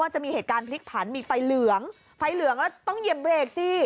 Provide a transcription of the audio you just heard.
จะมีเหตุการณ์พลิกผันมีไฟเหลืองไฟเหลืองก็ต้องเหยียบเบรกสิ